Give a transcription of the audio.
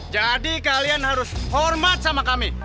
kalian harus hormat sama kami